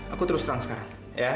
aku terus terang sekarang